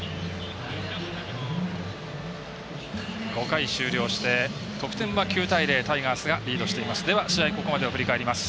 ５回終了して、得点は９対０でタイガースがリードしています。